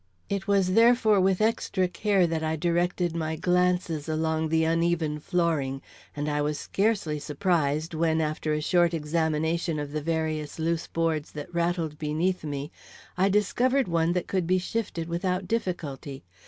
It was therefore with extra care that I directed my glances along the uneven flooring, and I was scarcely surprised when, after a short examination of the various loose boards that rattled beneath me, I discovered one that could be shifted without difficulty.